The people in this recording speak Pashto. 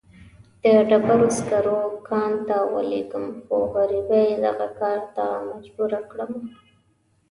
د ډبرو سکرو کان ته ولېږم، خو غريبۍ دغه کار ته مجبوره کړمه.